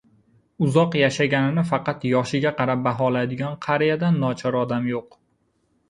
Uzoq yashaganini faqat yoshi-ga qarab baholaydigan qariyadan nochor odam yo‘q.